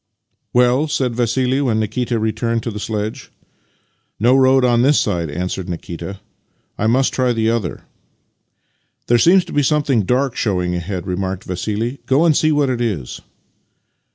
" Well? " said Vassili when Nikita returned to the sledge. " No road on this side," answered Nikita. " I must try the other." " There seems to be something dark showing ahead," remarked Vassili. " Go and see what it is."